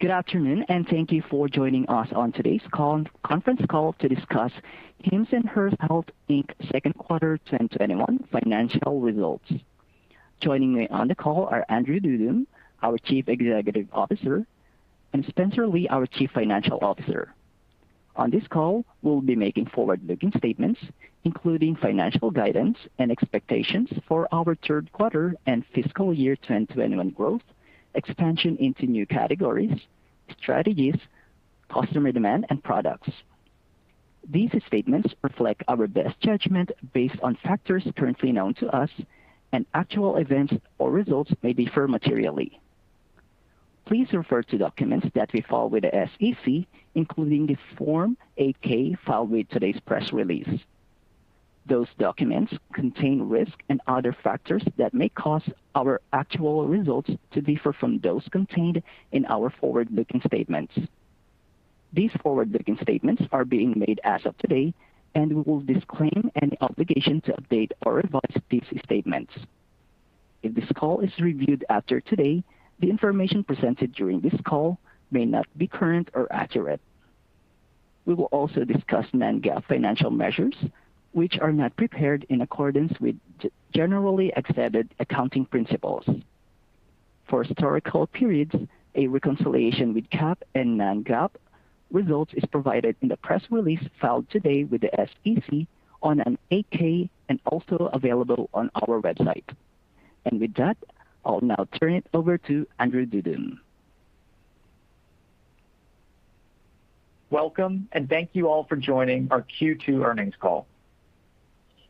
Good afternoon, and thank you for joining us on today's conference call to discuss Hims & Hers Health, Inc's second quarter 2021 financial results. Joining me on the call are Andrew Dudum, our Chief Executive Officer, and Spencer Lee, our Chief Financial Officer. On this call, we'll be making forward-looking statements, including financial guidance and expectations for our third quarter and fiscal year 2021 growth, expansion into new categories, strategies, customer demand, and products. These statements reflect our best judgment based on factors currently known to us, and actual events or results may differ materially. Please refer to documents that we file with the SEC, including the Form 8-K filed with today's press release. Those documents contain risks and other factors that may cause our actual results to differ from those contained in our forward-looking statements. These forward-looking statements are being made as of today, and we will disclaim any obligation to update or revise these statements. If this call is reviewed after today, the information presented during this call may not be current or accurate. We will also discuss non-GAAP financial measures, which are not prepared in accordance with generally accepted accounting principles. For historical periods, a reconciliation with GAAP and non-GAAP results is provided in the press release filed today with the SEC on an 8-K and also available on our website. With that, I'll now turn it over to Andrew Dudum. Welcome, and thank you all for joining our Q2 earnings call.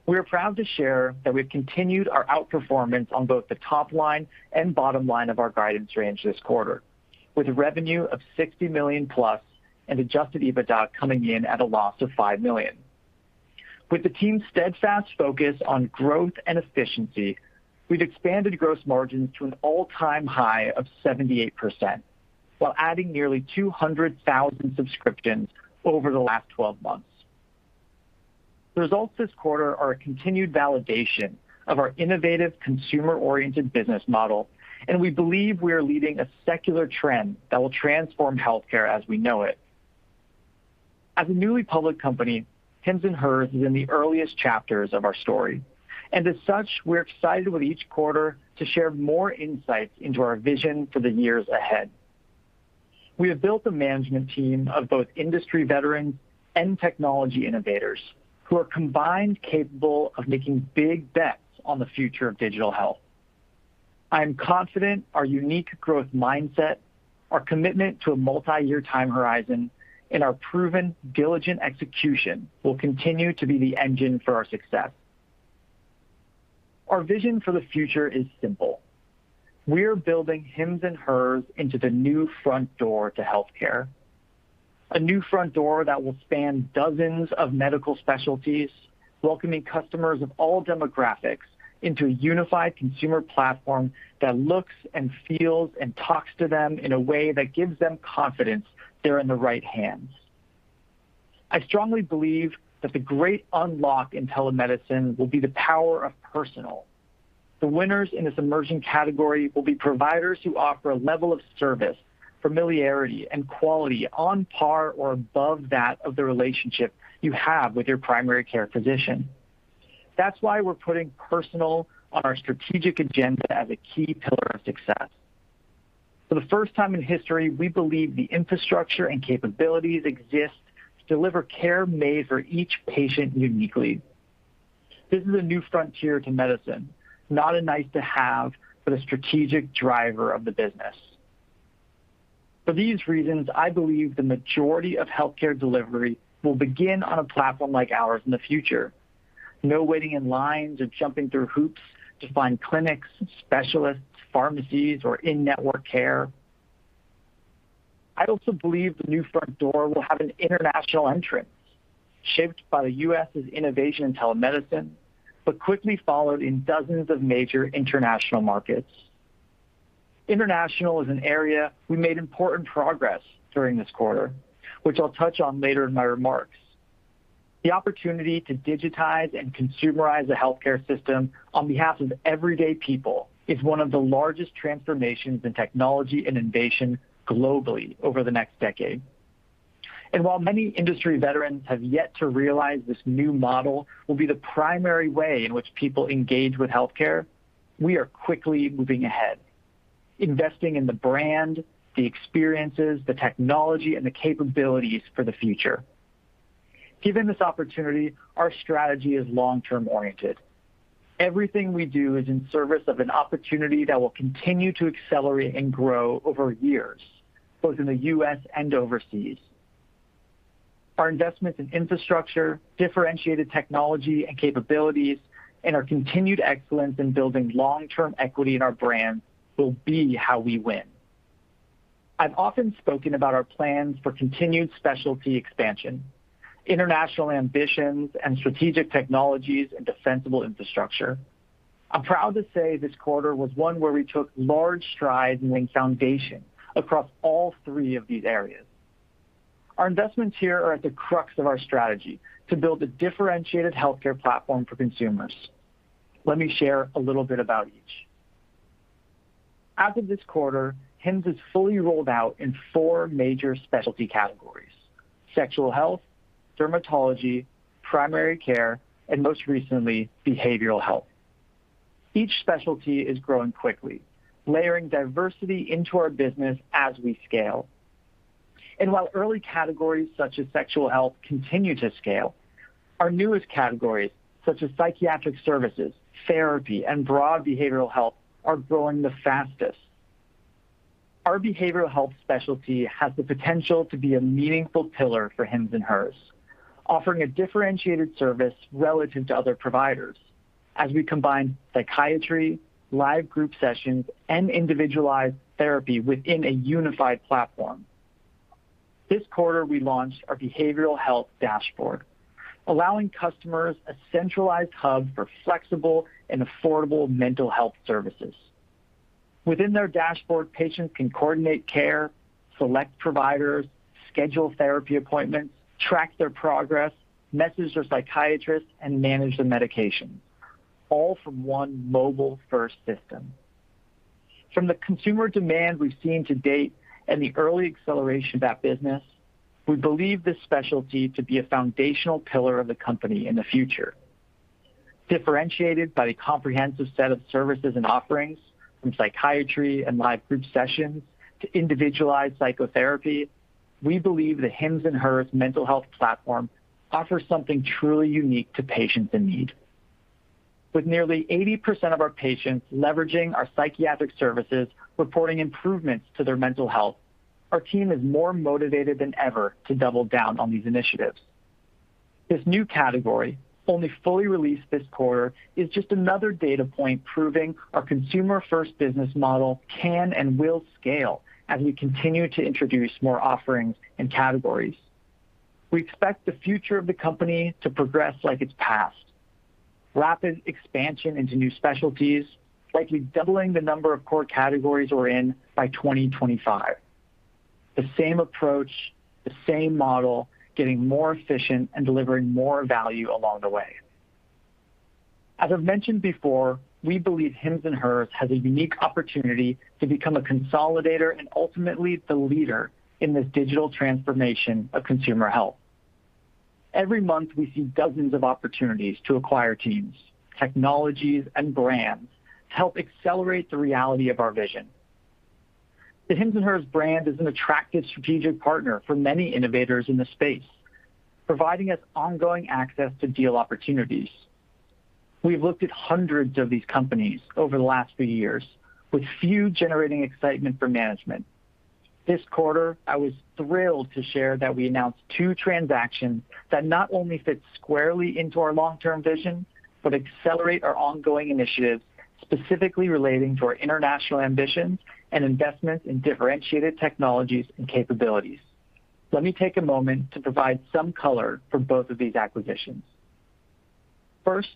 We are proud to share that we've continued our outperformance on both the top line and bottom line of our guidance range this quarter, with revenue of $60 million-plus and adjusted EBITDA coming in at a loss of $5 million. With the team's steadfast focus on growth and efficiency, we've expanded gross margins to an all-time high of 78%, while adding nearly 200,000 subscriptions over the last 12 months. The results this quarter are a continued validation of our innovative consumer-oriented business model, and we believe we are leading a secular trend that will transform healthcare as we know it. As a newly public company, Hims & Hers is in the earliest chapters of our story. As such, we're excited with each quarter to share more insights into our vision for the years ahead. We have built a management team of both industry veterans and technology innovators who are combined capable of making big bets on the future of digital health. I am confident our unique growth mindset, our commitment to a multiyear time horizon, and our proven diligent execution will continue to be the engine for our success. Our vision for the future is simple. We're building Hims & Hers into the new front door to healthcare. A new front door that will span dozens of medical specialties, welcoming customers of all demographics into a unified consumer platform that looks and feels and talks to them in a way that gives them confidence they're in the right hands. I strongly believe that the great unlock in telemedicine will be the power of personal. The winners in this emerging category will be providers who offer a level of service, familiarity, and quality on par or above that of the relationship you have with your primary care physician. That's why we're putting personal on our strategic agenda as a key pillar of success. For the first time in history, we believe the infrastructure and capabilities exist to deliver care made for each patient uniquely. This is a new frontier to medicine, not a nice-to-have, but a strategic driver of the business. For these reasons, I believe the majority of healthcare delivery will begin on a platform like ours in the future. No waiting in lines or jumping through hoops to find clinics, specialists, pharmacies, or in-network care. I also believe the new front door will have an international entrance, shaped by the U.S.'s innovation in telemedicine, but quickly followed in dozens of major international markets. International is an area we made important progress during this quarter, which I'll touch on later in my remarks. The opportunity to digitize and consumerize the healthcare system on behalf of everyday people is one of the largest transformations in technology and innovation globally over the next decade. While many industry veterans have yet to realize this new model will be the primary way in which people engage with healthcare, we are quickly moving ahead, investing in the brand, the experiences, the technology, and the capabilities for the future. Given this opportunity, our strategy is long-term oriented. Everything we do is in service of an opportunity that will continue to accelerate and grow over years, both in the U.S. and overseas. Our investments in infrastructure, differentiated technology and capabilities, and our continued excellence in building long-term equity in our brand will be how we win. I've often spoken about our plans for continued specialty expansion, international ambitions, and strategic technologies and defensible infrastructure. I'm proud to say this quarter was one where we took large strides and laying foundation across all three of these areas. Our investments here are at the crux of our strategy to build a differentiated healthcare platform for consumers. Let me share a little bit about each. As of this quarter, Hims is fully rolled out in four major specialty categories: sexual health, dermatology, primary care, and most recently, behavioral health. Each specialty is growing quickly, layering diversity into our business as we scale. While early categories such as sexual health continue to scale, our newest categories, such as psychiatric services, therapy, and broad behavioral health, are growing the fastest. Our behavioral health specialty has the potential to be a meaningful pillar for Hims & Hers, offering a differentiated service relative to other providers as we combine psychiatry, live group sessions, and individualized therapy within a unified platform. This quarter, we launched our behavioral health dashboard, allowing customers a centralized hub for flexible and affordable mental health services. Within their dashboard, patients can coordinate care, select providers, schedule therapy appointments, track their progress, message their psychiatrist, and manage their medications, all from one mobile-first system. From the consumer demand we've seen to date and the early acceleration of that business, we believe this specialty to be a foundational pillar of the company in the future. Differentiated by the comprehensive set of services and offerings from psychiatry and live group sessions to individualized psychotherapy, we believe that Hims & Hers' mental health platform offers something truly unique to patients in need. With nearly 80% of our patients leveraging our psychiatric services reporting improvements to their mental health, our team is more motivated than ever to double down on these initiatives. This new category, only fully released this quarter, is just another data point proving our consumer-first business model can and will scale as we continue to introduce more offerings and categories. We expect the future of the company to progress like its past. Rapid expansion into new specialties, likely doubling the number of core categories we're in by 2025. The same approach, the same model, getting more efficient and delivering more value along the way. As I've mentioned before, we believe Hims & Hers has a unique opportunity to become a consolidator and ultimately the leader in this digital transformation of consumer health. Every month, we see dozens of opportunities to acquire teams, technologies, and brands to help accelerate the reality of our vision. The Hims & Hers brand is an attractive strategic partner for many innovators in the space, providing us ongoing access to deal opportunities. We've looked at hundreds of these companies over the last few years, with few generating excitement for management. This quarter, I was thrilled to share that we announced two transactions that not only fit squarely into our long-term vision, but accelerate our ongoing initiatives, specifically relating to our international ambitions and investments in differentiated technologies and capabilities. Let me take a moment to provide some color for both of these acquisitions. First,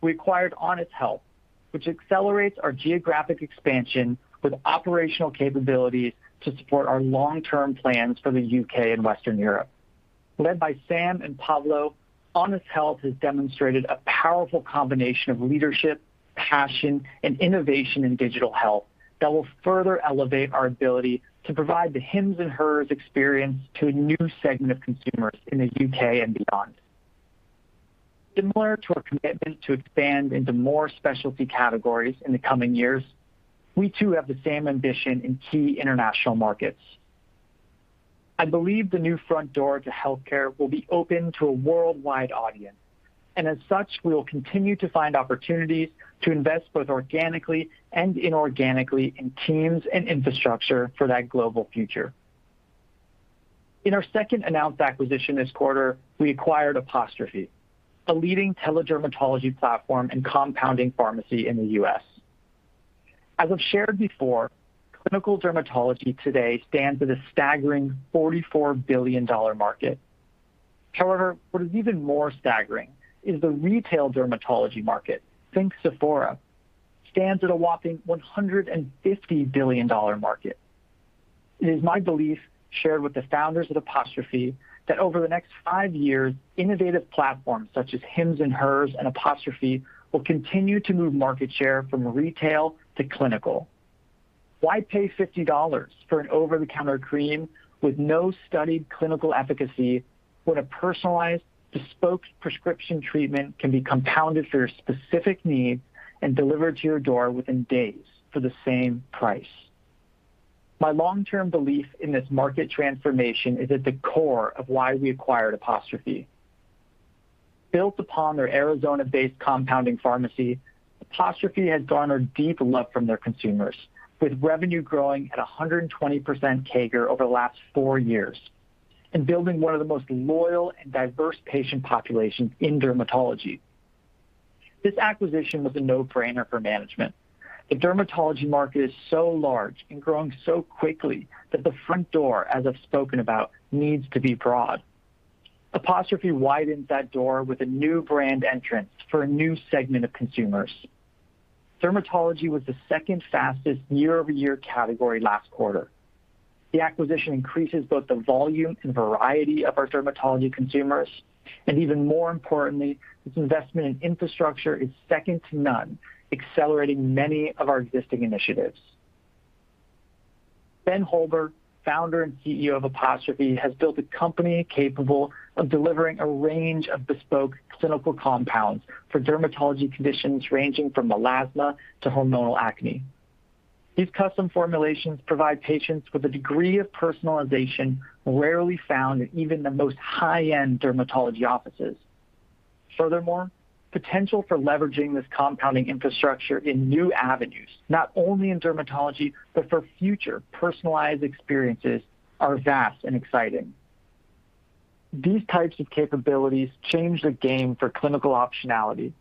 we acquired Honest Health, which accelerates our geographic expansion with operational capabilities to support our long-term plans for the U.K. and Western Europe. Led by Sam and Pablo, Honest Health has demonstrated a powerful combination of leadership, passion, and innovation in digital health that will further elevate our ability to provide the Hims & Hers experience to a new segment of consumers in the U.K. and beyond. Similar to our commitment to expand into more specialty categories in the coming years, we too have the same ambition in key international markets. I believe the new front door to healthcare will be open to a worldwide audience, and as such, we will continue to find opportunities to invest both organically and inorganically in teams and infrastructure for that global future. In our second announced acquisition this quarter, we acquired Apostrophe, a leading teledermatology platform and compounding pharmacy in the U.S. As I've shared before, clinical dermatology today stands at a staggering $44 billion market. However, what is even more staggering is the retail dermatology market, think Sephora, stands at a whopping $150 billion market. It is my belief, shared with the founders of Apostrophe, that over the next five years, innovative platforms such as Hims & Hers and Apostrophe will continue to move market share from retail to clinical. Why pay $50 for an over-the-counter cream with no studied clinical efficacy when a personalized, bespoke prescription treatment can be compounded for your specific need and delivered to your door within days for the same price? My long-term belief in this market transformation is at the core of why we acquired Apostrophe. Built upon their Arizona-based compounding pharmacy, Apostrophe has garnered deep love from their consumers, with revenue growing at 120% CAGR over the last four years and building one of the most loyal and diverse patient populations in dermatology. This acquisition was a no-brainer for management. The dermatology market is so large and growing so quickly that the front door, as I've spoken about, needs to be broad. Apostrophe widens that door with a new brand entrance for a new segment of consumers. Dermatology was the second fastest year-over-year category last quarter. The acquisition increases both the volume and variety of our dermatology consumers, and even more importantly, its investment in infrastructure is second to none, accelerating many of our existing initiatives. Ben Holber, founder and CEO of Apostrophe, has built a company capable of delivering a range of bespoke clinical compounds for dermatology conditions ranging from melasma to hormonal acne. These custom formulations provide patients with a degree of personalization rarely found in even the most high-end dermatology offices. Furthermore, potential for leveraging this compounding infrastructure in new avenues, not only in dermatology but for future personalized experiences, are vast and exciting. These types of capabilities change the game for clinical optionality,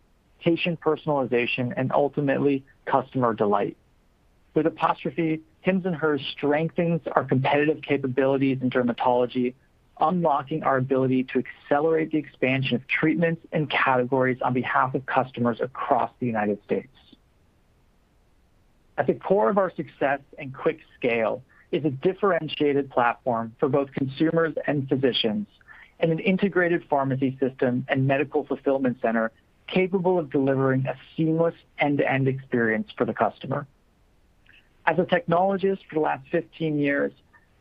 patient personalization, and ultimately customer delight. With Apostrophe, Hims & Hers strengthens our competitive capabilities in dermatology, unlocking our ability to accelerate the expansion of treatments and categories on behalf of customers across the United States. At the core of our success and quick scale is a differentiated platform for both consumers and physicians, and an integrated pharmacy system and medical fulfillment center capable of delivering a seamless end-to-end experience for the customer. As a technologist for the last 15 years,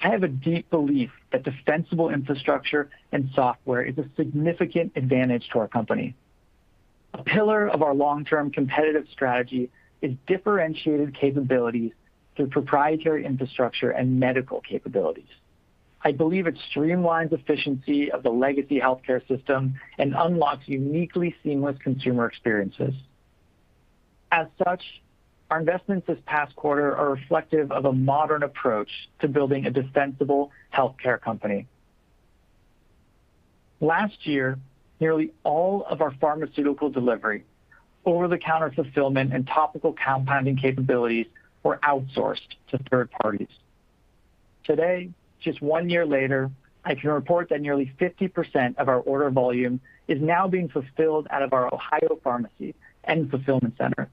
I have a deep belief that defensible infrastructure and software is a significant advantage to our company. A pillar of our long-term competitive strategy is differentiated capabilities through proprietary infrastructure and medical capabilities. I believe it streamlines efficiency of the legacy healthcare system and unlocks uniquely seamless consumer experiences. As such, our investments this past quarter are reflective of a modern approach to building a defensible healthcare company. Last year, nearly all of our pharmaceutical delivery, over-the-counter fulfillment, and topical compounding capabilities were outsourced to third parties. Today, just one year later, I can report that nearly 50% of our order volume is now being fulfilled out of our Ohio pharmacy and fulfillment center.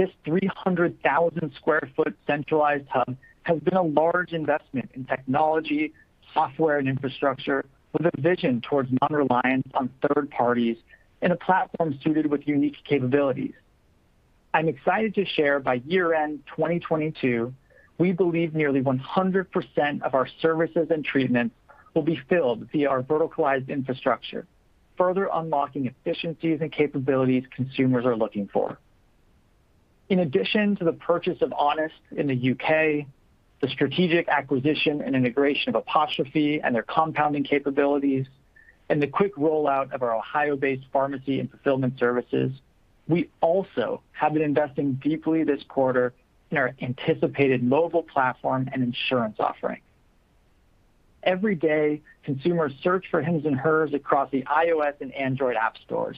This 300,000 sq ft centralized hub has been a large investment in technology, software, and infrastructure with a vision towards non-reliance on third parties and a platform suited with unique capabilities. I'm excited to share by year-end 2022, we believe nearly 100% of our services and treatments will be filled via our verticalized infrastructure, further unlocking efficiencies and capabilities consumers are looking for. In addition to the purchase of Honest in the U.K., the strategic acquisition and integration of Apostrophe and their compounding capabilities, and the quick rollout of our Ohio-based pharmacy and fulfillment services, we also have been investing deeply this quarter in our anticipated mobile platform and insurance offering. Every day, consumers search for Hims & Hers across the iOS and Android app stores.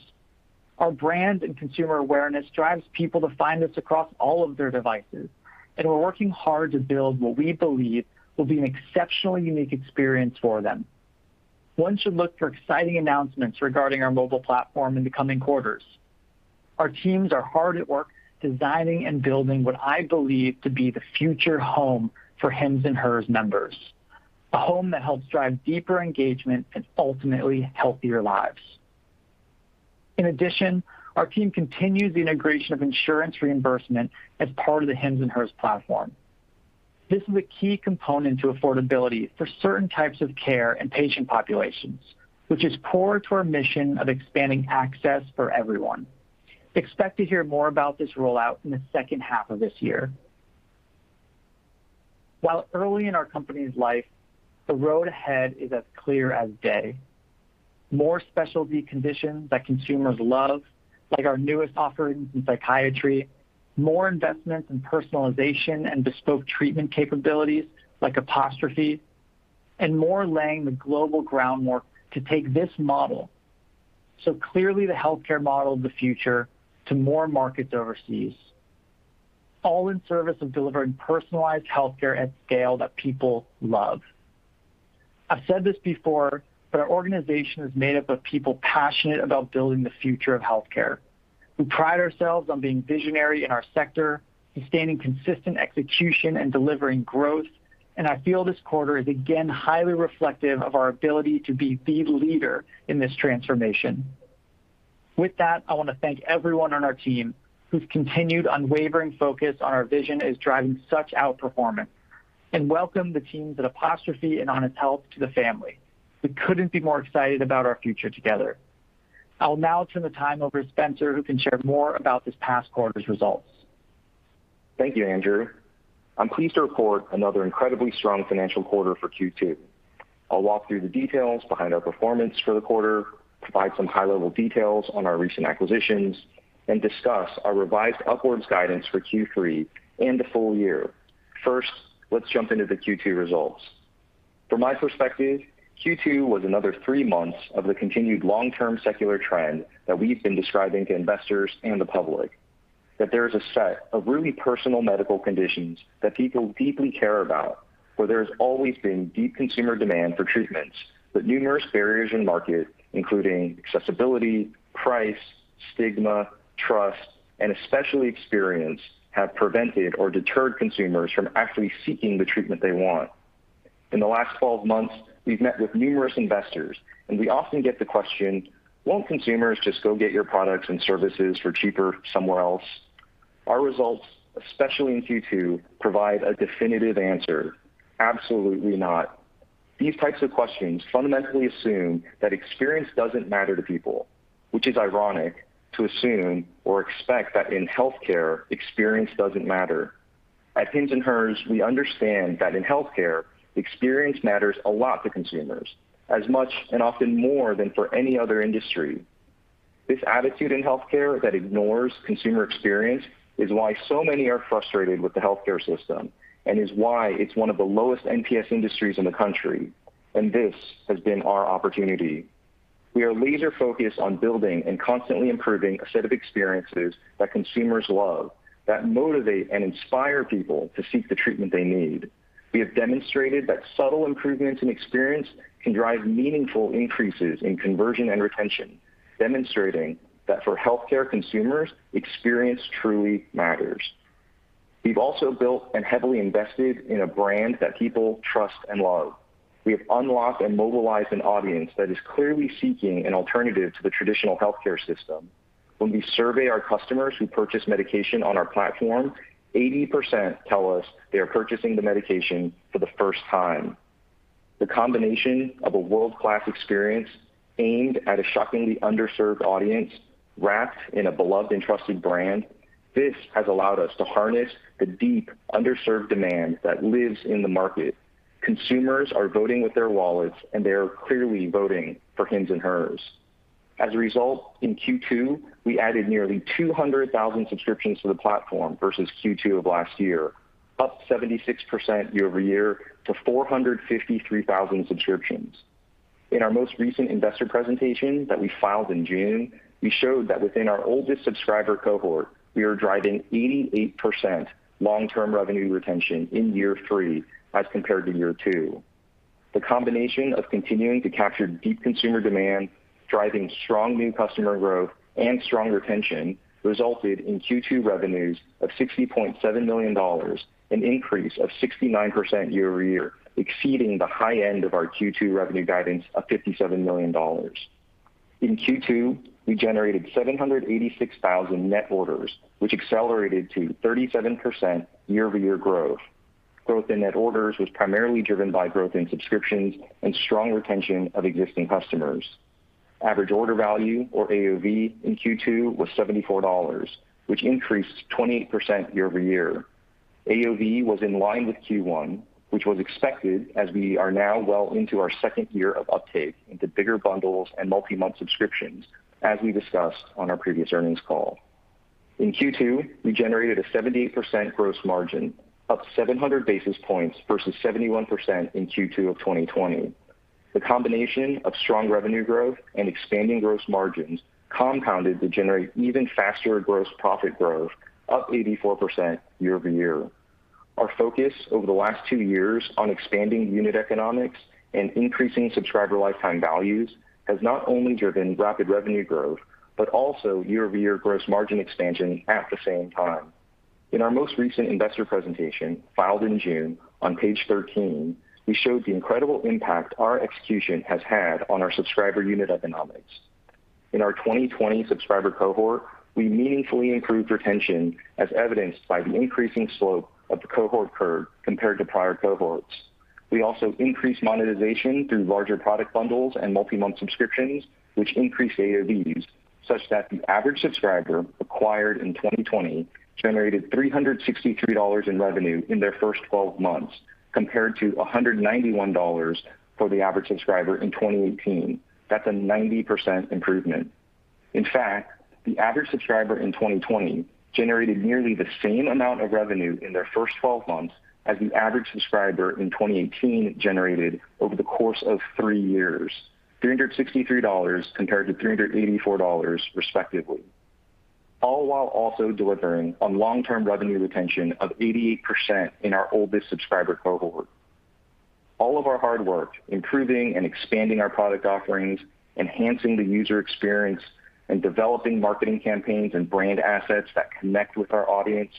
Our brand and consumer awareness drives people to find us across all of their devices, and we're working hard to build what we believe will be an exceptionally unique experience for them. One should look for exciting announcements regarding our mobile platform in the coming quarters. Our teams are hard at work designing and building what I believe to be the future home for Hims & Hers members. A home that helps drive deeper engagement and ultimately healthier lives. In addition, our team continues the integration of insurance reimbursement as part of the Hims & Hers platform. This is a key component to affordability for certain types of care and patient populations, which is core to our mission of expanding access for everyone. Expect to hear more about this rollout in the second half of this year. While early in our company's life, the road ahead is as clear as day. More specialty conditions that consumers love, like our newest offerings in psychiatry, more investments in personalization and bespoke treatment capabilities like Apostrophe, and more laying the global groundwork to take this model, so clearly the healthcare model of the future, to more markets overseas, all in service of delivering personalized healthcare at scale that people love. I've said this before. Our organization is made up of people passionate about building the future of healthcare, who pride ourselves on being visionary in our sector, sustaining consistent execution, and delivering growth. I feel this quarter is again highly reflective of our ability to be the leader in this transformation. With that, I want to thank everyone on our team whose continued unwavering focus on our vision is driving such outperformance, and welcome the teams at Apostrophe and Honest Health to the family. We couldn't be more excited about our future together. I'll now turn the time over to Spencer, who can share more about this past quarter's results. Thank you, Andrew. I'm pleased to report another incredibly strong financial quarter for Q2. I'll walk through the details behind our performance for the quarter, provide some high-level details on our recent acquisitions, and discuss our revised upwards guidance for Q3 and the full year. First, let's jump into the Q2 results. From my perspective, Q2 was another three months of the continued long-term secular trend that we've been describing to investors and the public. There is a set of really personal medical conditions that people deeply care about, where there has always been deep consumer demand for treatments. Numerous barriers in market, including accessibility, price, stigma, trust, and especially experience, have prevented or deterred consumers from actually seeking the treatment they want. In the last 12 months, we've met with numerous investors, and we often get the question, "Won't consumers just go get your products and services for cheaper somewhere else?" Our results, especially in Q2, provide a definitive answer. Absolutely not. These types of questions fundamentally assume that experience doesn't matter to people, which is ironic to assume or expect that in healthcare, experience doesn't matter. At Hims & Hers, we understand that in healthcare, experience matters a lot to consumers, as much and often more than for any other industry. This attitude in healthcare that ignores consumer experience is why so many are frustrated with the healthcare system, and is why it's one of the lowest NPS industries in the country, and this has been our opportunity. We are laser-focused on building and constantly improving a set of experiences that consumers love, that motivate and inspire people to seek the treatment they need. We have demonstrated that subtle improvements in experience can drive meaningful increases in conversion and retention, demonstrating that for healthcare consumers, experience truly matters. We've also built and heavily invested in a brand that people trust and love. We have unlocked and mobilized an audience that is clearly seeking an alternative to the traditional healthcare system. When we survey our customers who purchase medication on our platform, 80% tell us they are purchasing the medication for the first time. The combination of a world-class experience aimed at a shockingly underserved audience, wrapped in a beloved and trusted brand, this has allowed us to harness the deep, underserved demand that lives in the market. Consumers are voting with their wallets, and they are clearly voting for Hims & Hers. As a result, in Q2, we added nearly 200,000 subscriptions to the platform versus Q2 of last year, up 76% year-over-year to 453,000 subscriptions. In our most recent investor presentation that we filed in June, we showed that within our oldest subscriber cohort, we are driving 88% long-term revenue retention in year three as compared to year two. The combination of continuing to capture deep consumer demand, driving strong new customer growth, and strong retention, resulted in Q2 revenues of $60.7 million, an increase of 69% year-over-year, exceeding the high end of our Q2 revenue guidance of $57 million. In Q2, we generated 786,000 net orders, which accelerated to 37% year-over-year growth. Growth in net orders was primarily driven by growth in subscriptions and strong retention of existing customers. Average order value, or AOV, in Q2 was $74, which increased 28% year-over-year. AOV was in line with Q1, which was expected, as we are now well into our second year of uptake into bigger bundles and multi-month subscriptions, as we discussed on our previous earnings call. In Q2, we generated a 78% gross margin, up 700 basis points, versus 71% in Q2 of 2020. The combination of strong revenue growth and expanding gross margins compounded to generate even faster gross profit growth, up 84% year-over-year. Our focus over the last two years on expanding unit economics and increasing subscriber lifetime values has not only driven rapid revenue growth, but also year-over-year gross margin expansion at the same time. In our most recent investor presentation, filed in June, on page 13, we showed the incredible impact our execution has had on our subscriber unit economics. In our 2020 subscriber cohort, we meaningfully improved retention, as evidenced by the increasing slope of the cohort curve compared to prior cohorts. We also increased monetization through larger product bundles and multi-month subscriptions, which increased AOVs, such that the average subscriber acquired in 2020 generated $363 in revenue in their first 12 months, compared to $191 for the average subscriber in 2018. That's a 90% improvement. In fact, the average subscriber in 2020 generated nearly the same amount of revenue in their first 12 months as the average subscriber in 2018 generated over the course of three years, $363 compared to $384 respectively. All while also delivering on long-term revenue retention of 88% in our oldest subscriber cohort. All of our hard work, improving and expanding our product offerings, enhancing the user experience, and developing marketing campaigns and brand assets that connect with our audience,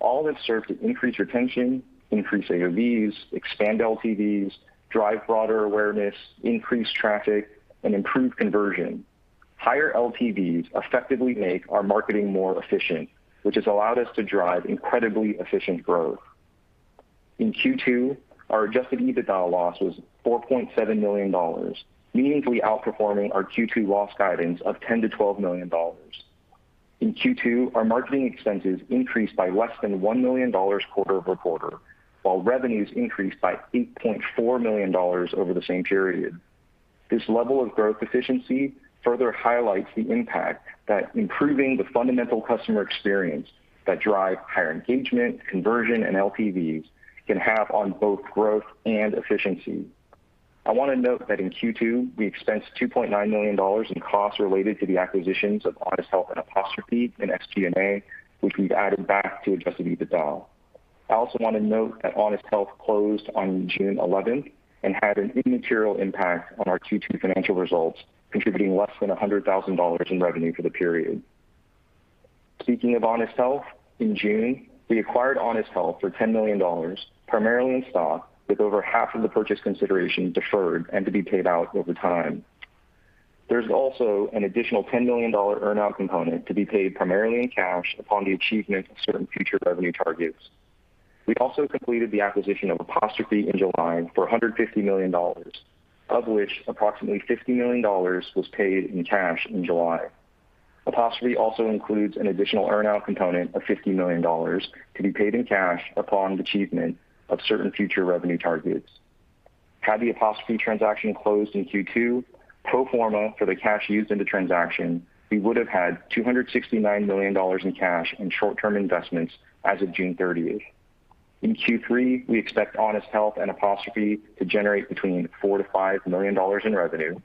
all have served to increase retention, increase AOVs, expand LTVs, drive broader awareness, increase traffic, and improve conversion. Higher LTVs effectively make our marketing more efficient, which has allowed us to drive incredibly efficient growth. In Q2, our adjusted EBITDA loss was $4.7 million, meaningfully outperforming our Q2 loss guidance of $10 million-$12 million. In Q2, our marketing expenses increased by less than $1 million quarter-over-quarter, while revenues increased by $8.4 million over the same period. This level of growth efficiency further highlights the impact that improving the fundamental customer experience that drive higher engagement, conversion, and LTVs can have on both growth and efficiency. I want to note that in Q2, we expensed $2.9 million in costs related to the acquisitions of Honest Health and Apostrophe and SG&A, which we've added back to adjusted EBITDA. I also want to note that Honest Health closed on June 11th and had an immaterial impact on our Q2 financial results, contributing less than $100,000 in revenue for the period. Speaking of Honest Health, in June, we acquired Honest Health for $10 million, primarily in stock, with over half of the purchase consideration deferred and to be paid out over time. There's also an additional $10 million earn-out component to be paid primarily in cash upon the achievement of certain future revenue targets. We also completed the acquisition of Apostrophe in July for $150 million, of which approximately $50 million was paid in cash in July. Apostrophe also includes an additional earn-out component of $50 million to be paid in cash upon the achievement of certain future revenue targets. Had the Apostrophe transaction closed in Q2, pro forma for the cash used in the transaction, we would have had $269 million in cash and short-term investments as of June 30th. In Q3, we expect Honest Health and Apostrophe to generate $4 million-$5 million in revenue.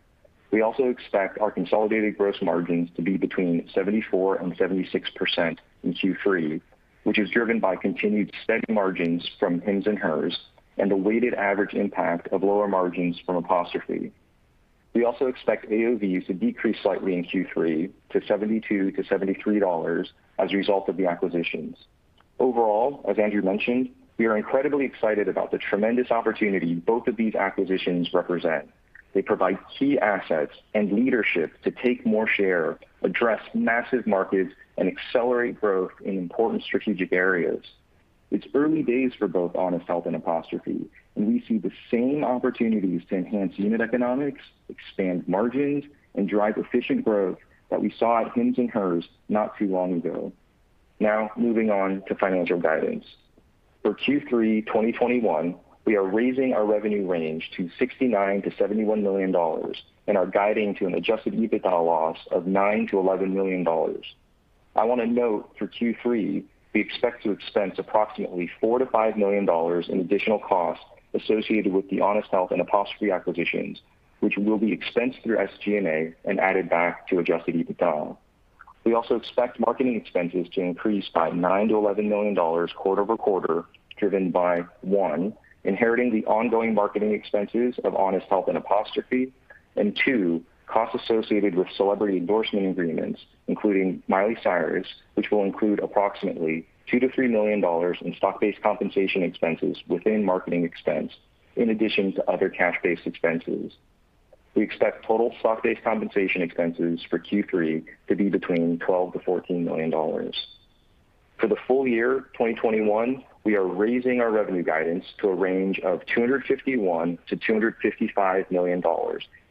We also expect our consolidated gross margins to be 74%-76% in Q3, which is driven by continued steady margins from Hims & Hers and the weighted average impact of lower margins from Apostrophe. We also expect AOV to decrease slightly in Q3 to $72-$73 as a result of the acquisitions. Overall, as Andrew mentioned, we are incredibly excited about the tremendous opportunity both of these acquisitions represent. They provide key assets and leadership to take more share, address massive markets, and accelerate growth in important strategic areas. It's early days for both Honest Health and Apostrophe, and we see the same opportunities to enhance unit economics, expand margins, and drive efficient growth that we saw at Hims & Hers not too long ago. Moving on to financial guidance. For Q3 2021, we are raising our revenue range to $69 million-$71 million and are guiding to an adjusted EBITDA loss of $9 million-$11 million. I want to note for Q3, we expect to expense approximately $4 million-$5 million in additional costs associated with the Honest Health and Apostrophe acquisitions, which will be expensed through SG&A and added back to adjusted EBITDA. We also expect marketing expenses to increase by $9 million-$11 million quarter-over-quarter, driven by, one, inheriting the ongoing marketing expenses of Honest Health and Apostrophe. Two, costs associated with celebrity endorsement agreements, including Miley Cyrus, which will include approximately $2 million-$3 million in stock-based compensation expenses within marketing expense, in addition to other cash-based expenses. We expect total stock-based compensation expenses for Q3 to be between $12 million-$14 million. For the full year 2021, we are raising our revenue guidance to a range of $251 million-$255 million,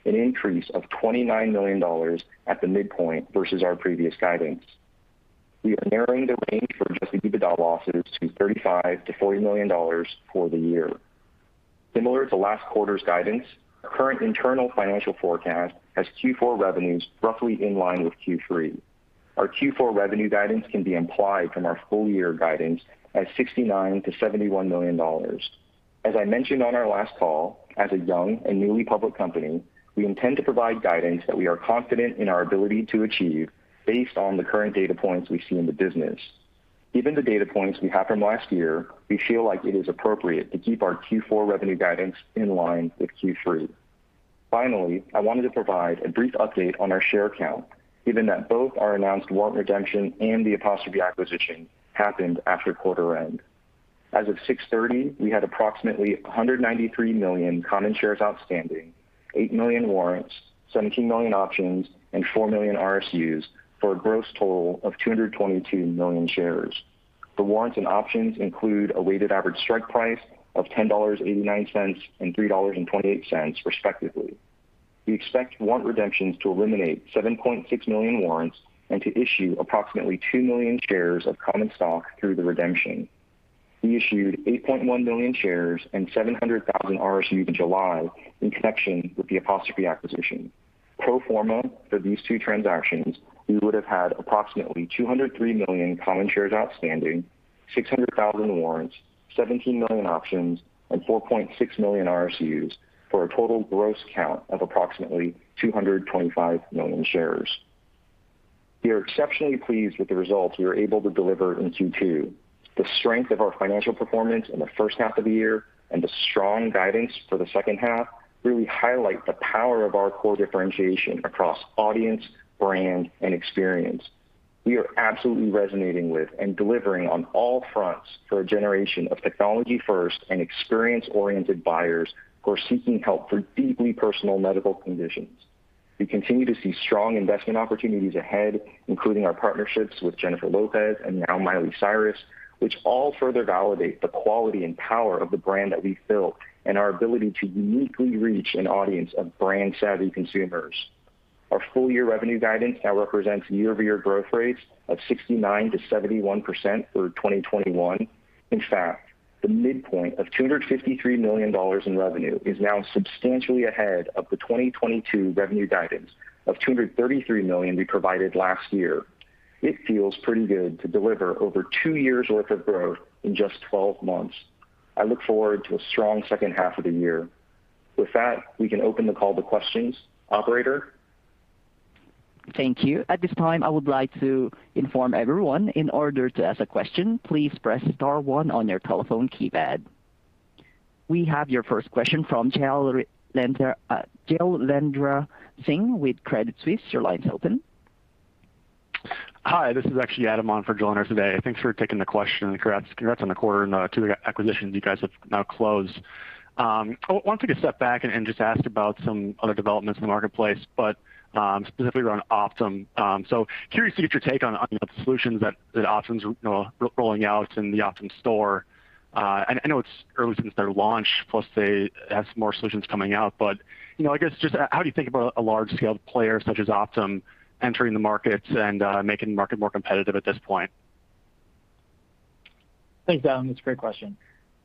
an increase of $29 million at the midpoint versus our previous guidance. We are narrowing the range for adjusted EBITDA losses to $35 million-$40 million for the year. Similar to last quarter's guidance, our current internal financial forecast has Q4 revenues roughly in line with Q3. Our Q4 revenue guidance can be implied from our full-year guidance as $69 million-$71 million. As I mentioned on our last call, as a young and newly public company, we intend to provide guidance that we are confident in our ability to achieve based on the current data points we see in the business. Given the data points we have from last year, we feel like it is appropriate to keep our Q4 revenue guidance in line with Q3. Finally, I wanted to provide a brief update on our share count, given that both our announced warrant redemption and the Apostrophe acquisition happened after quarter-end. As of 6/30, we had approximately 193 million common shares outstanding, 8 million warrants, 17 million options, and 4 million RSUs for a gross total of 222 million shares. The warrants and options include a weighted average strike price of $10.89 and $3.28, respectively. We expect warrant redemptions to eliminate 7.6 million warrants and to issue approximately 2 million shares of common stock through the redemption. We issued 8.1 million shares and 700,000 RSUs in July in connection with the Apostrophe acquisition. Pro forma for these two transactions, we would have had approximately 203 million common shares outstanding, 600,000 warrants, 17 million options, and 4.6 million RSUs for a total gross count of approximately 225 million shares. We are exceptionally pleased with the results we were able to deliver in Q2. The strength of our financial performance in the first half of the year and the strong guidance for the second half really highlight the power of our core differentiation across audience, brand, and experience. We are absolutely resonating with and delivering on all fronts for a generation of technology-first and experience-oriented buyers who are seeking help for deeply personal medical conditions. We continue to see strong investment opportunities ahead, including our partnerships with Jennifer Lopez and now Miley Cyrus, which all further validate the quality and power of the brand that we've built and our ability to uniquely reach an audience of brand-savvy consumers. Our full-year revenue guidance now represents year-over-year growth rates of 69%-71% through 2021. In fact, the midpoint of $253 million in revenue is now substantially ahead of the 2022 revenue guidance of $233 million we provided last year. It feels pretty good to deliver over two years' worth of growth in just 12 months. I look forward to a strong second half of the year. With that, we can open the call to questions. Operator? Thank you. At this time, I would like to inform everyone, in order to ask a question, please press star one on your telephone keypad. We have your first question from Jailendra Singh with Credit Suisse. Your line's open. Hi, this is actually Adam on for Jailendra today. Thanks for taking the question. Congrats on the quarter and the two acquisitions you guys have now closed. I wanted to take a step back and just ask about some other developments in the marketplace. Specifically around Optum. Curious to get your take on the solutions that Optum's rolling out in the Optum Store. I know it's early since their launch, plus they have some more solutions coming out, but I guess just how do you think about a large-scale player such as Optum entering the market and making the market more competitive at this point? Thanks, Adam. That's a great question.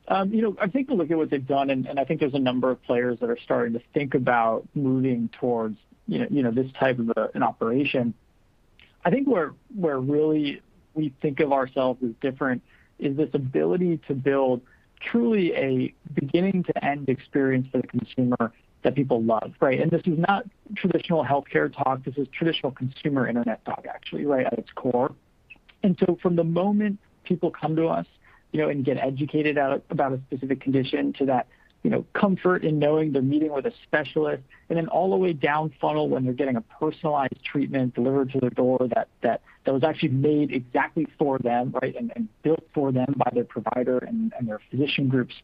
I take a look at what they've done, and I think there's a number of players that are starting to think about moving towards this type of an operation. I think where, really, we think of ourselves as different is this ability to build truly a beginning-to-end experience for the consumer that people love. This is not traditional healthcare talk. This is traditional consumer internet talk, actually, right at its core. From the moment people come to us and get educated about a specific condition, to that comfort in knowing they're meeting with a specialist, and then all the way down funnel when they're getting a personalized treatment delivered to their door that was actually made exactly for them, and built for them by their provider and their physician groups,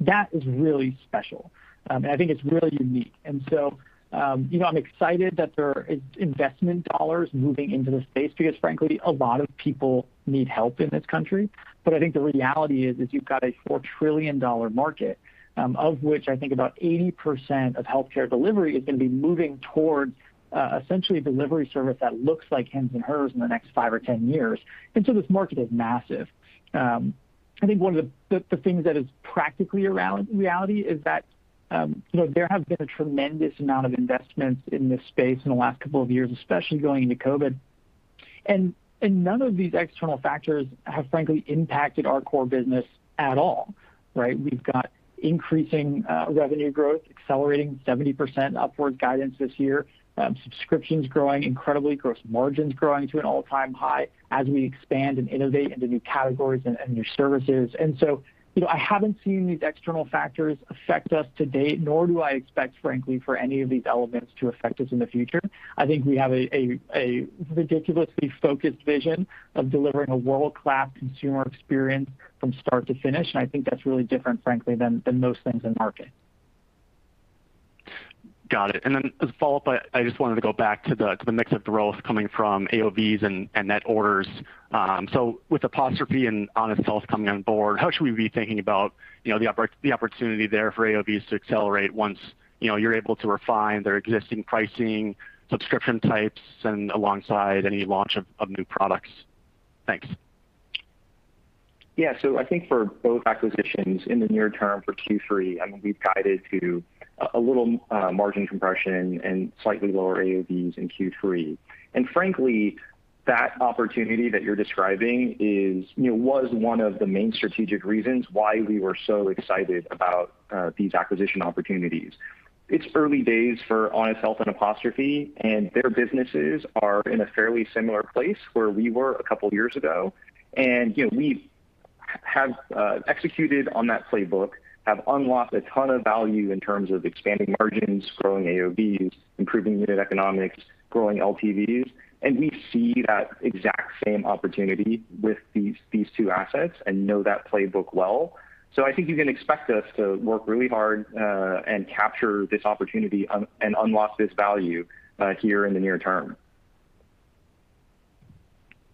that is really special. I think it's really unique. I'm excited that there are investment dollars moving into the space because, frankly, a lot of people need help in this country. I think the reality is, you've got a $4 trillion market, of which I think about 80% of healthcare delivery is going to be moving towards essentially a delivery service that looks like Hims & Hers in the next five or 10 years. This market is massive. I think one of the things that is practically a reality is that there have been a tremendous amount of investments in this space in the last couple of years, especially going into COVID. None of these external factors have, frankly, impacted our core business at all. We've got increasing revenue growth, accelerating 70% upward guidance this year, subscriptions growing incredibly, gross margins growing to an all-time high as we expand and innovate into new categories and new services. I haven't seen these external factors affect us to date, nor do I expect, frankly, for any of these elements to affect us in the future. I think we have a ridiculously focused vision of delivering a world-class consumer experience from start to finish, and I think that's really different, frankly, than most things in the market. Got it. As a follow-up, I just wanted to go back to the mix of growth coming from AOVs and net orders. With Apostrophe and Honest Health coming on board, how should we be thinking about the opportunity there for AOVs to accelerate once you're able to refine their existing pricing, subscription types, and alongside any launch of new products? Thanks. Yeah. I think for both acquisitions, in the near term for Q3, we've guided to a little margin compression and slightly lower AOVs in Q3. Frankly, that opportunity that you're describing was one of the main strategic reasons why we were so excited about these acquisition opportunities. It's early days for Honest Health and Apostrophe, and their businesses are in a fairly similar place where we were a couple of years ago. We have executed on that playbook, have unlocked a ton of value in terms of expanding margins, growing AOVs, improving unit economics, growing LTVs, and we see that exact same opportunity with these two assets and know that playbook well. I think you can expect us to work really hard, and capture this opportunity, and unlock this value here in the near term.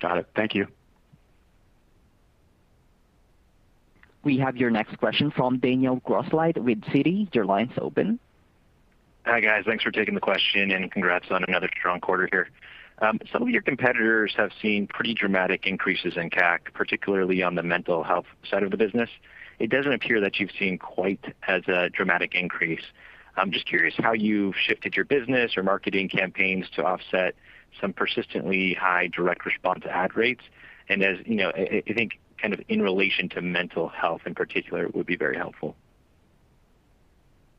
Got it. Thank you. We have your next question from Daniel Grosslight with Citi. Your line's open. Hi, guys. Thanks for taking the question, and congrats on another strong quarter here. Some of your competitors have seen pretty dramatic increases in CAC, particularly on the mental health side of the business. It doesn't appear that you've seen quite as a dramatic increase. I'm just curious how you shifted your business or marketing campaigns to offset some persistently high direct response ad rates? As I think, kind of in relation to mental health in particular, would be very helpful.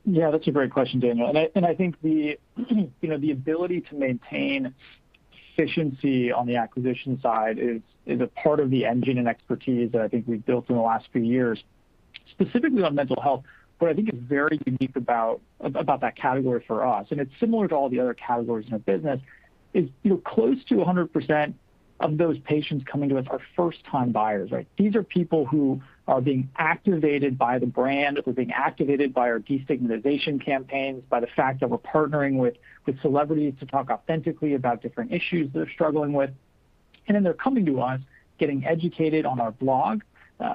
Yeah, that's a great question, Daniel. I think the ability to maintain efficiency on the acquisition side is a part of the engine and expertise that I think we've built in the last few years. Specifically on mental health, what I think is very unique about that category for us, it's similar to all the other categories in our business, is close to 100% of those patients coming to us are first-time buyers. These are people who are being activated by the brand, who are being activated by our destigmatization campaigns, by the fact that we're partnering with celebrities to talk authentically about different issues they're struggling with. They're coming to us, getting educated on our blog,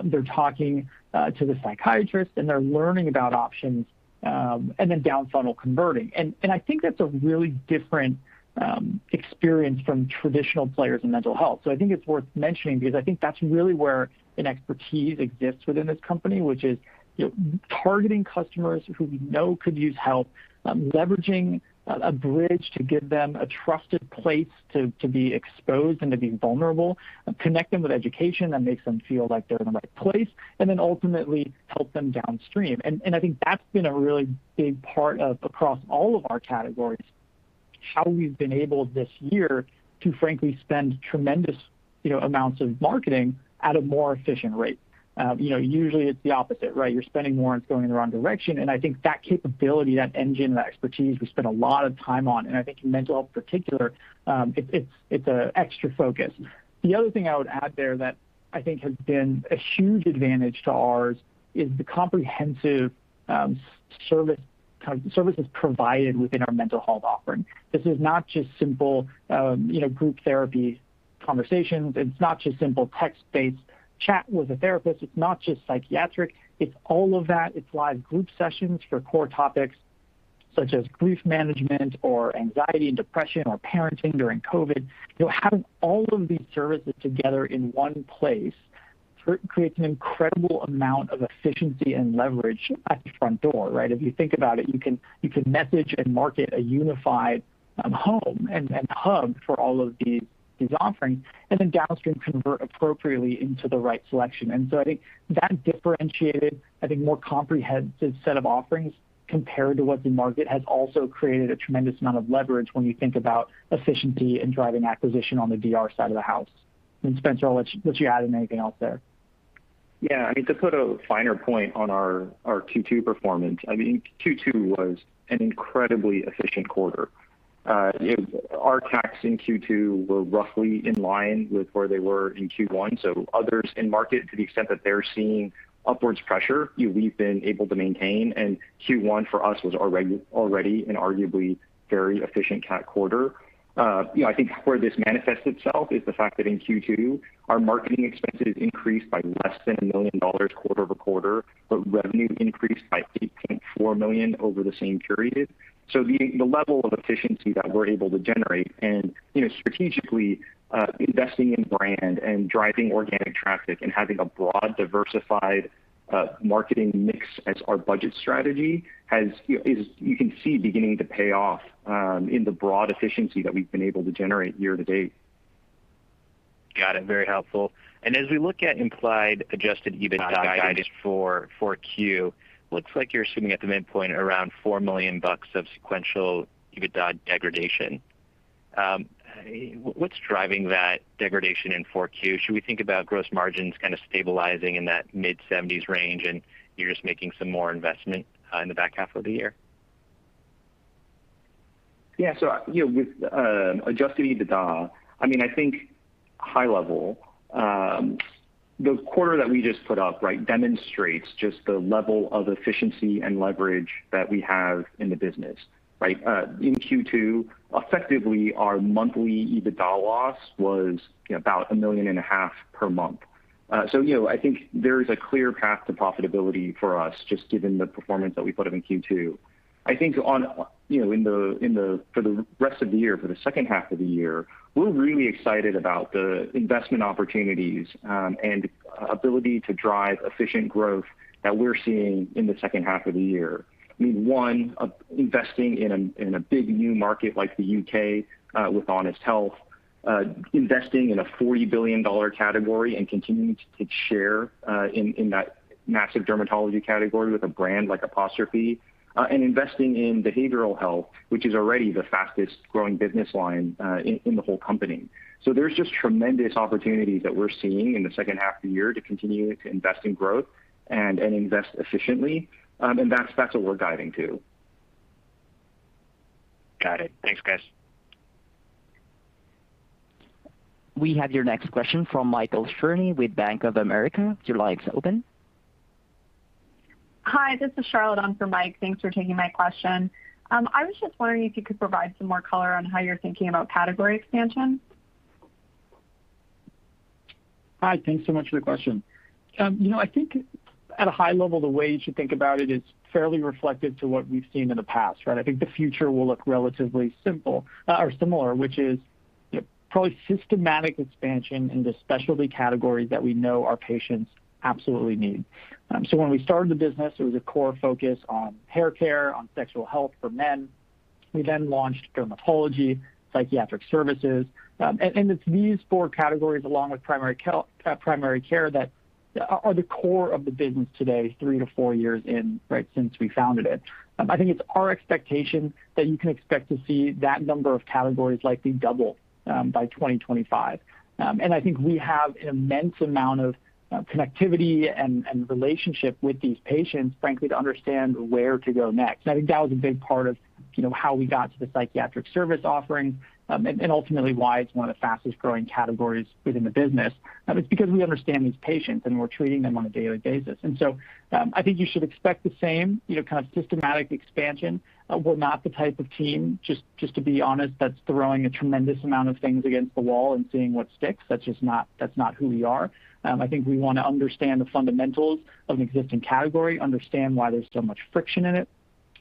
they're talking to the psychiatrist, they're learning about options, then down funnel converting. I think that's a really different experience from traditional players in mental health. I think it's worth mentioning because I think that's really where an expertise exists within this company, which is targeting customers who we know could use help, leveraging a bridge to give them a trusted place to be exposed and to be vulnerable, and connect them with education that makes them feel like they're in the right place, and then ultimately help them downstream. I think that's been a really big part of across all of our categories. How we've been able this year to frankly spend tremendous amounts of marketing at a more efficient rate. Usually it's the opposite, right? You're spending more and it's going in the wrong direction. I think that capability, that engine, that expertise, we spend a lot of time on, and I think in mental health in particular, it's an extra focus. The other thing I would add there that I think has been a huge advantage to ours is the comprehensive services provided within our mental health offering. This is not just simple group therapy conversations. It's not just simple text-based chat with a therapist. It's not just psychiatric. It's all of that. It's live group sessions for core topics such as grief management or anxiety and depression or parenting during COVID. Having all of these services together in one place creates an incredible amount of efficiency and leverage at the front door, right? If you think about it, you can message and market a unified home and hub for all of these offerings, and then downstream convert appropriately into the right selection. I think that differentiated, I think more comprehensive set of offerings compared to what the market has also created a tremendous amount of leverage when you think about efficiency and driving acquisition on the DR side of the house. Spencer, I'll let you add anything else there. Yeah. To put a finer point on our Q2 performance, Q2 was an incredibly efficient quarter. Our CACs in Q2 were roughly in line with where they were in Q1, so others in market, to the extent that they're seeing upwards pressure, we've been able to maintain, and Q1 for us was already an arguably very efficient CAC quarter. I think where this manifests itself is the fact that in Q2, our marketing expenses increased by less than $1 million quarter-over-quarter, but revenue increased by $8.4 million over the same period. The level of efficiency that we're able to generate and strategically investing in brand and driving organic traffic and having a broad, diversified marketing mix as our budget strategy is, you can see, beginning to pay off in the broad efficiency that we've been able to generate year-to-date. Got it. Very helpful. As we look at implied adjusted EBITDA guidance for 4Q, looks like you're assuming at the midpoint around $4 million of sequential EBITDA degradation. What's driving that degradation in 4Q? Should we think about gross margins kind of stabilizing in that mid-70s% range, and you're just making some more investment in the back half of the year? Yeah. With adjusted EBITDA, I think high level, the quarter that we just put up demonstrates just the level of efficiency and leverage that we have in the business, right? In Q2, effectively, our monthly EBITDA loss was about a million and a half per month. I think there is a clear path to profitability for us just given the performance that we put up in Q2. I think for the rest of the year, for the second half of the year, we're really excited about the investment opportunities and ability to drive efficient growth that we're seeing in the second half of the year. One, investing in a big new market like the U.K., with Honest Health, investing in a $40 billion category and continuing to take share in that massive dermatology category with a brand like Apostrophe, and investing in behavioral health, which is already the fastest growing business line in the whole company. There's just tremendous opportunities that we're seeing in the second half of the year to continue to invest in growth and invest efficiently. That's what we're guiding to. Got it. Thanks, guys. We have your next question from Michael Cherny with Bank of America. Hi, this is Charlotte on for Mike. Thanks for taking my question. I was just wondering if you could provide some more color on how you're thinking about category expansion. Hi, thanks so much for the question. I think at a high level, the way you should think about it is fairly reflective to what we've seen in the past, right? I think the future will look relatively similar, which is probably systematic expansion into specialty categories that we know our patients absolutely need. When we started the business, it was a core focus on haircare, on sexual health for men. We launched dermatology, psychiatric services. It's these four categories, along with primary care, that are the core of the business today, three to four years in, since we founded it. I think it's our expectation that you can expect to see that number of categories likely double by 2025. I think we have an immense amount of connectivity and relationship with these patients, frankly, to understand where to go next. I think that was a big part of how we got to the psychiatric service offering, and ultimately why it's one of the fastest-growing categories within the business. It's because we understand these patients and we're treating them on a daily basis. I think you should expect the same kind of systematic expansion. We're not the type of team, just to be honest, that's throwing a tremendous amount of things against the wall and seeing what sticks. That's not who we are. I think we want to understand the fundamentals of an existing category, understand why there's so much friction in it,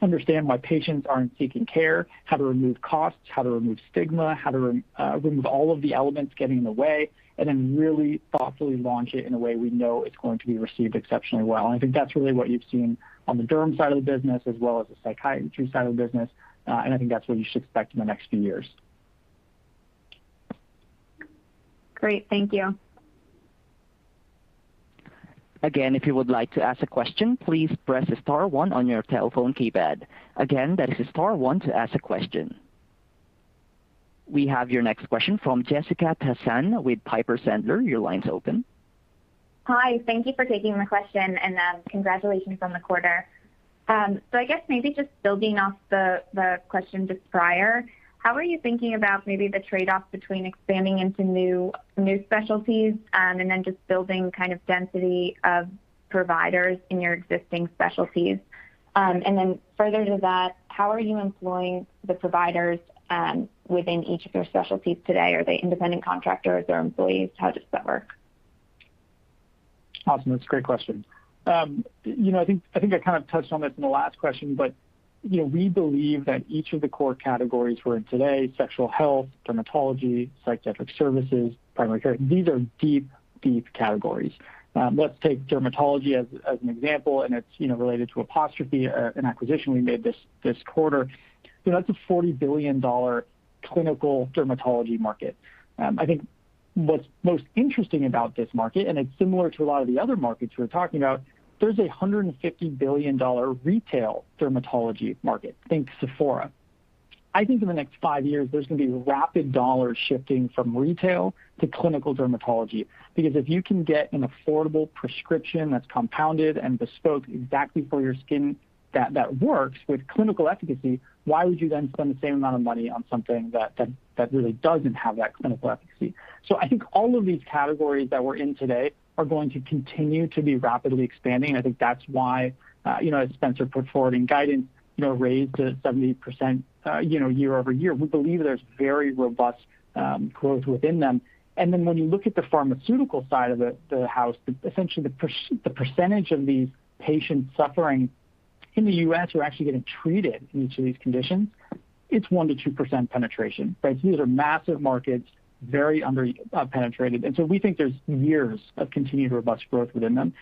understand why patients aren't seeking care, how to remove costs, how to remove stigma, how to remove all of the elements getting in the way, and then really thoughtfully launch it in a way we know it's going to be received exceptionally well, and I think that's really what you've seen on the derm side of the business as well as the psychiatry side of the business. I think that's what you should expect in the next few years. Great. Thank you. Again, if you would like to ask a question, please press star one on your telephone keypad. Again, that is star one to ask a question. We have your next question from Jessica Tassan with Piper Sandler. Your line's open. Hi. Thank you for taking my question, and congratulations on the quarter. I guess maybe just building off the question just prior, how are you thinking about maybe the trade-off between expanding into new specialties, and then just building kind of density of providers in your existing specialties? Further to that, how are you employing the providers within each of your specialties today? Are they independent contractors or employees? How does that work? Awesome. That's a great question. I think I kind of touched on this in the last question, but we believe that each of the core categories we're in today, sexual health, dermatology, psychiatric services, primary care, these are deep categories. Let's take dermatology as an example, and it's related to Apostrophe, an acquisition we made this quarter. That's a $40 billion clinical dermatology market. I think what's most interesting about this market, and it's similar to a lot of the other markets we're talking about, there's a $150 billion retail dermatology market. Think Sephora. I think in the next five years, there's going to be rapid dollar shifting from retail to clinical dermatology. Because if you can get an affordable prescription that's compounded and bespoke exactly for your skin that works with clinical efficacy, why would you then spend the same amount of money on something that really doesn't have that clinical efficacy? I think all of these categories that we're in today are going to continue to be rapidly expanding, and I think that's why, as Spencer put forward in guidance, raised at 70% year-over-year. We believe there's very robust growth within them. When you look at the pharmaceutical side of the house, essentially the percentage of these patients suffering in the U.S. who are actually getting treated in each of these conditions, it's 1%-2% penetration, right? These are massive markets, very under-penetrated. We think there's years of continued robust growth within them.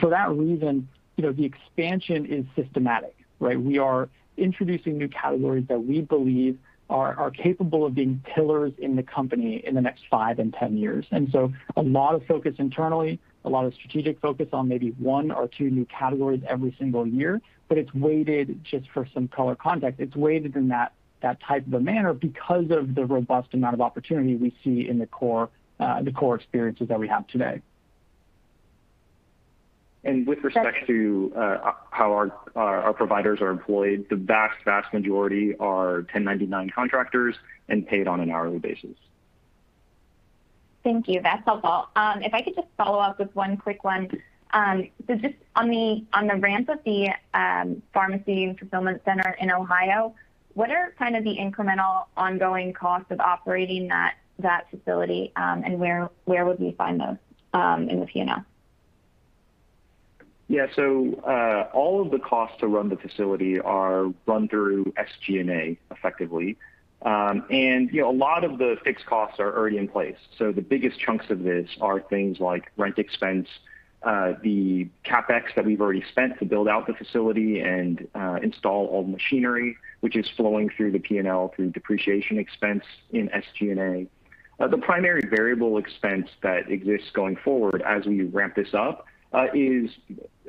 For that reason, the expansion is systematic, right? We are introducing new categories that we believe are capable of being pillars in the company in the next five and 10 years. A lot of focus internally, a lot of strategic focus on maybe one or two new categories every single year, but it's weighted just for some color context. It's weighted in that type of a manner because of the robust amount of opportunity we see in the core experiences that we have today. With respect to how our providers are employed, the vast majority are 1099 contractors and paid on an hourly basis. Thank you. That's helpful. If I could just follow up with one quick one. Just on the ramp of the pharmacy fulfillment center in Ohio, what are kind of the incremental ongoing costs of operating that facility, and where would we find those in the P&L? All of the costs to run the facility are run through SG&A effectively. A lot of the fixed costs are already in place. The biggest chunks of this are things like rent expense, the CapEx that we've already spent to build out the facility and install all the machinery, which is flowing through the P&L through depreciation expense in SG&A. The primary variable expense that exists going forward as we ramp this up, is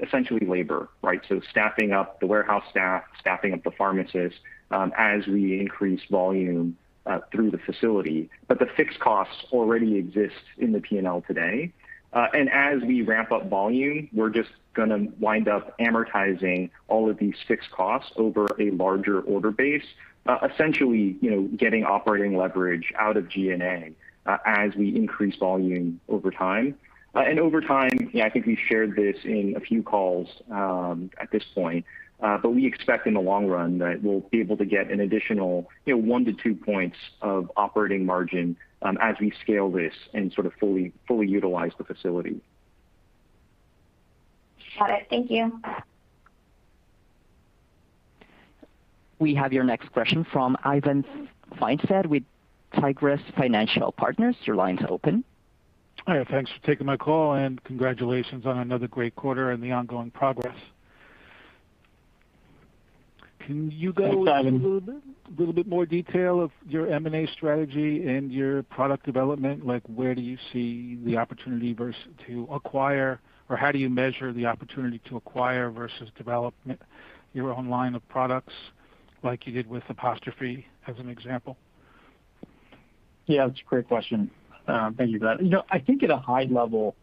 essentially labor, right? Staffing up the warehouse staff, staffing up the pharmacists, as we increase volume through the facility. The fixed costs already exist in the P&L today. As we ramp up volume, we're just going to wind up amortizing all of these fixed costs over a larger order base, essentially getting operating leverage out of G&A, as we increase volume over time. Over time, I think we've shared this in a few calls, at this point, but we expect in the long run that we'll be able to get an additional one to two points of operating margin, as we scale this and sort of fully utilize the facility. Got it. Thank you. We have your next question from Ivan Feinseth with Tigress Financial Partners. Your line's open. Hi. Thanks for taking my call, and congratulations on another great quarter and the ongoing progress. Thanks, Ivan. Can you go a little bit more detail of your M&A strategy and your product development? Like where do you see the opportunity versus to acquire, or how do you measure the opportunity to acquire versus development your own line of products like you did with Apostrophe, as an example? Yeah, that's a great question. Thank you for that. I think at a high level,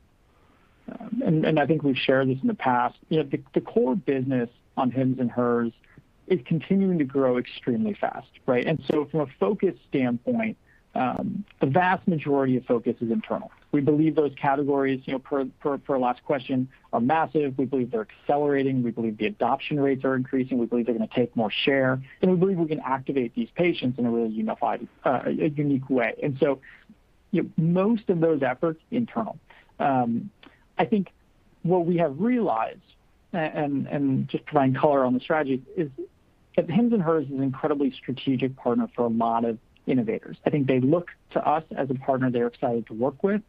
and I think we've shared this in the past, the core business on Hims & Hers is continuing to grow extremely fast, right? From a focus standpoint, the vast majority of focus is internal. We believe those categories, per last question, are massive. We believe they're accelerating. We believe the adoption rates are increasing. We believe they're going to take more share, and we believe we can activate these patients in a really unique way. Most of those efforts, internal. I think what we have realized, and just providing color on the strategy, is that Hims & Hers is an incredibly strategic partner for a lot of innovators. I think they look to us as a partner they're excited to work with.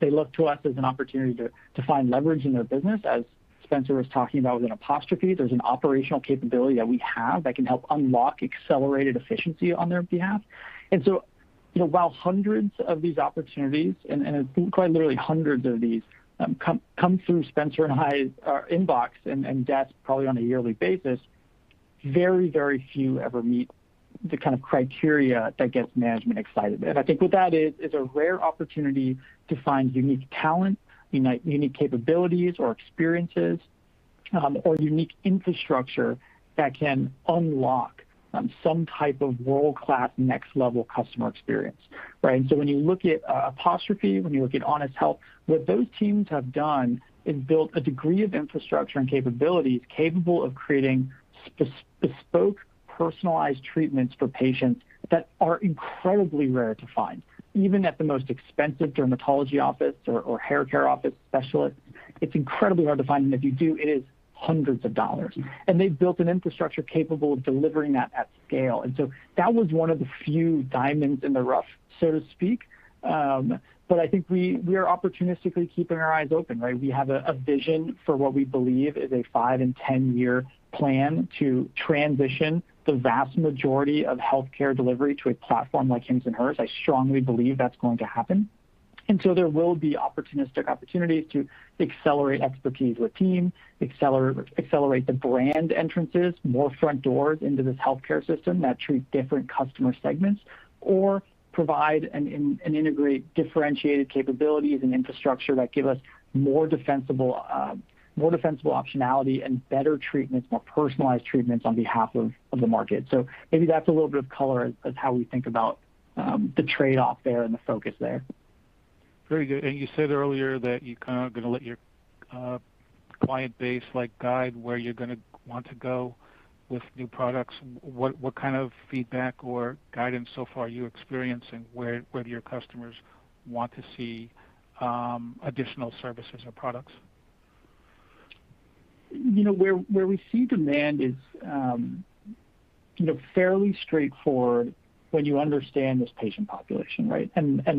They look to us as an opportunity to find leverage in their business, as Spencer was talking about with Apostrophe. There's an operational capability that we have that can help unlock accelerated efficiency on their behalf. While hundreds of these opportunities, and it's been quite literally hundreds of these, come through Spencer and I's inbox and desk probably on a yearly basis, very few ever meet the kind of criteria that gets management excited. I think what that is a rare opportunity to find unique talent, unique capabilities or experiences, or unique infrastructure that can unlock some type of world-class next-level customer experience, right? When you look at Apostrophe, when you look at Honest Health, what those teams have done is built a degree of infrastructure and capabilities capable of creating bespoke, personalized treatments for patients that are incredibly rare to find. Even at the most expensive dermatology office or hair care office specialist, it's incredibly hard to find, and if you do, it is hundreds of dollars. They've built an infrastructure capable of delivering that at scale. That was one of the few diamonds in the rough, so to speak. I think we are opportunistically keeping our eyes open, right? We have a vision for what we believe is a five- and 10-year plan to transition the vast majority of healthcare delivery to a platform like Hims & Hers. I strongly believe that's going to happen. There will be opportunistic opportunities to accelerate expertise with teams, accelerate the brand entrances, more front doors into this healthcare system that treat different customer segments, or provide and integrate differentiated capabilities and infrastructure that give us more defensible optionality and better treatments, more personalized treatments on behalf of the market. Maybe that's a little bit of color as how we think about the trade-off there and the focus there. Very good. You said earlier that you're going to let your client base guide where you're going to want to go with new products. What kind of feedback or guidance so far are you experiencing where your customers want to see additional services or products? Where we see demand is fairly straightforward when you understand this patient population, right?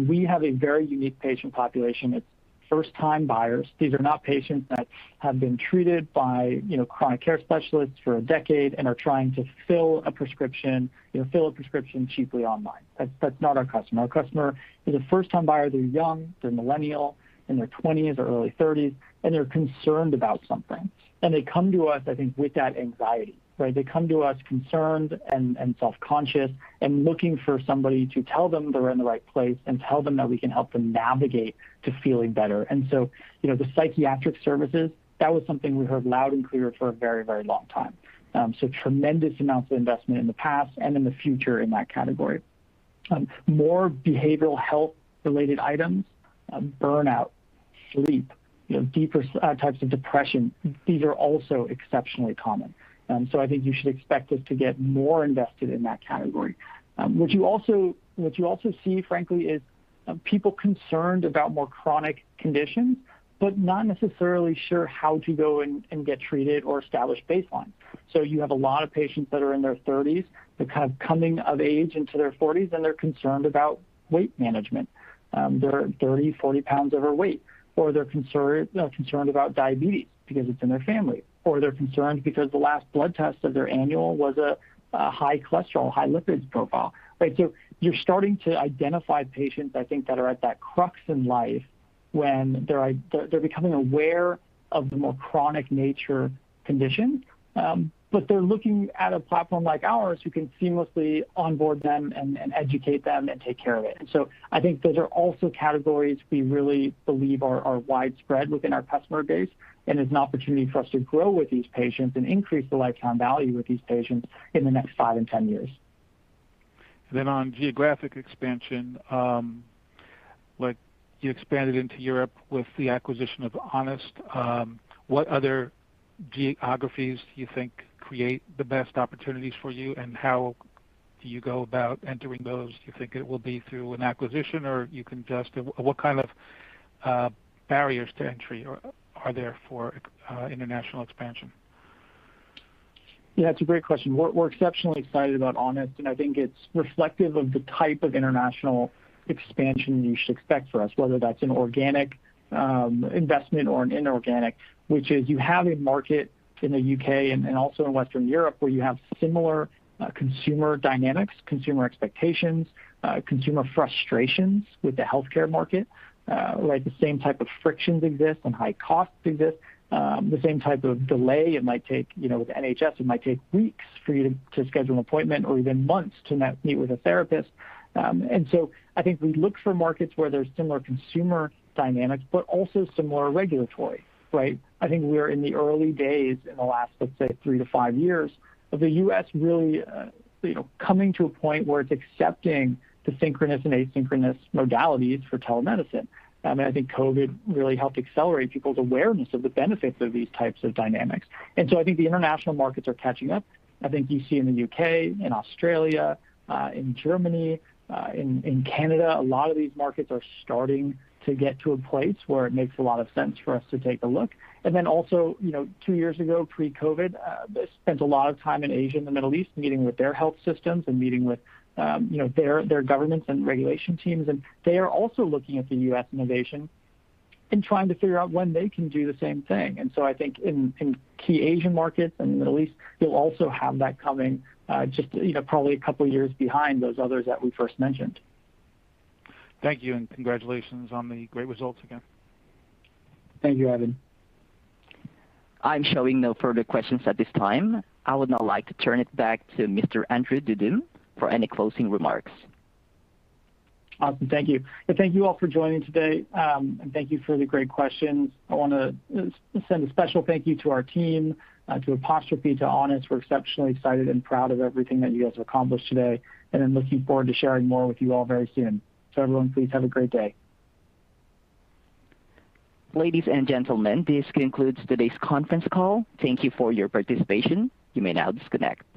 We have a very unique patient population. It's first-time buyers. These are not patients that have been treated by chronic care specialists for a decade and are trying to fill a prescription cheaply online. That's not our customer. Our customer is a first-time buyer. They're young, they're millennial, in their 20s or early 30s, and they're concerned about something. They come to us, I think, with that anxiety, right? They come to us concerned and self-conscious and looking for somebody to tell them they're in the right place and tell them that we can help them navigate to feeling better. The psychiatric services, that was something we heard loud and clear for a very long time. Tremendous amounts of investment in the past and in the future in that category. More behavioral health-related items, burnout, sleep, deeper types of depression, these are also exceptionally common. I think you should expect us to get more invested in that category. What you also see, frankly, is people concerned about more chronic conditions, but not necessarily sure how to go and get treated or establish baseline. You have a lot of patients that are in their 30s, they're kind of coming of age into their 40s, and they're concerned about weight management. They're 30, 40 lbs overweight, or they're concerned about diabetes because it's in their family. They're concerned because the last blood test of their annual was a high cholesterol, high lipids profile, right. You're starting to identify patients, I think, that are at that crux in life when they're becoming aware of the more chronic nature condition. They're looking at a platform like ours who can seamlessly onboard them and educate them and take care of it. I think those are also categories we really believe are widespread within our customer base and is an opportunity for us to grow with these patients and increase the lifetime value with these patients in the next five and 10 years. On geographic expansion, you expanded into Europe with the acquisition of Honest. What other geographies do you think create the best opportunities for you, and how do you go about entering those? Do you think it will be through an acquisition, or what kind of barriers to entry are there for international expansion? Yeah, it's a great question. We're exceptionally excited about Honest, and I think it's reflective of the type of international expansion you should expect from us, whether that's an organic investment or an inorganic. Which is, you have a market in the U.K. and also in Western Europe where you have similar consumer dynamics, consumer expectations, consumer frustrations with the healthcare market. The same type of frictions exist and high costs exist. The same type of delay. With NHS, it might take weeks for you to schedule an appointment or even months to meet with a therapist. I think we look for markets where there's similar consumer dynamics, but also similar regulatory, right? I think we are in the early days in the last, let's say, three to five years, of the U.S. really coming to a point where it's accepting the synchronous and asynchronous modalities for telemedicine. I think COVID really helped accelerate people's awareness of the benefits of these types of dynamics. I think the international markets are catching up. I think you see in the U.K., in Australia, in Germany, in Canada, a lot of these markets are starting to get to a place where it makes a lot of sense for us to take a look. Also, two years ago, pre-COVID, they spent a lot of time in Asia and the Middle East meeting with their health systems and meeting with their governments and regulation teams, and they are also looking at the U.S. innovation and trying to figure out when they can do the same thing. I think in key Asian markets and Middle East, you'll also have that coming just probably a couple of years behind those others that we first mentioned. Thank you. Congratulations on the great results again. Thank you, Ivan. I'm showing no further questions at this time. I would now like to turn it back to Mr. Andrew Dudum for any closing remarks. Awesome. Thank you. Thank you all for joining today, and thank you for the great questions. I want to send a special thank you to our team, to Apostrophe, to Honest. We're exceptionally excited and proud of everything that you guys have accomplished today, and I'm looking forward to sharing more with you all very soon. Everyone, please have a great day. Ladies and gentlemen, this concludes today's conference call. Thank you for your participation. You may now disconnect.